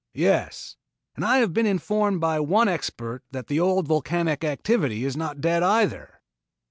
"Yes, and I have been informed by one expert that the old volcanic activity is not dead either."